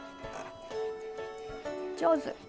上手！